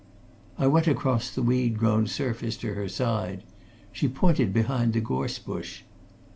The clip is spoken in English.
I went across the weed grown surface to her side. She pointed behind the gorse bush.